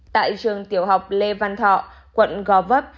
tại trường tiểu học lê văn thọ quận gò vấp